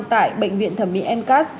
tại bệnh viện thẩm mỹ mcas